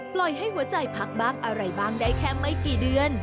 ปล่อยให้หัวใจพักบ้างอะไรบ้างได้แค่ไม่กี่เดือน